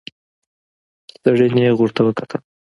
سړي نيغ ورته وکتل.